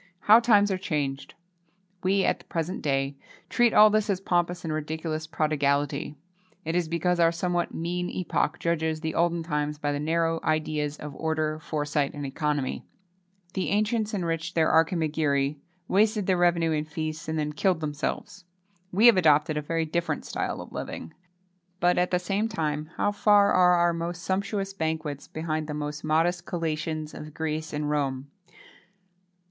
How times are changed! We, at the present day, treat all this as pompous and ridiculous prodigality. It is because our somewhat mean epoch judges the olden times by the narrow ideas of order, foresight, and economy. The ancients enriched their Archimagiri, wasted their revenue in feasts, and then killed themselves. We have adopted a very different style of living. But, at the same time, how far are our most sumptuous banquets behind the most modest collations of Greece and Rome!